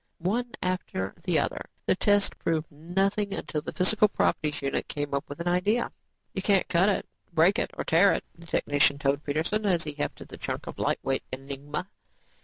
One after the other, the test proved nothing until the physical properties unit came up with an idea. "You can't cut it, break it or tear it," the technician told Peterson, as he hefted the chunk of lightweight enigma.